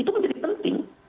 itu menjadi penting